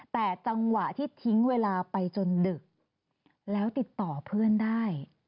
แต่จังหวะที่ทิ้งเวลาไปจนดึกแล้วติดต่อเพื่อนได้